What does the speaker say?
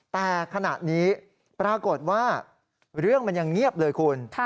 แต่ขณะนี้ปรากฏว่าเรื่องมันยังเงียบเลยคุณ